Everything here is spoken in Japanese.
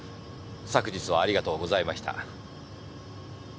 昨日はありがとうございました。